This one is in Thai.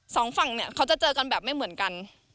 สองฝั่งเนี่ยเขาจะเจอกันแบบไม่เหมือนกัน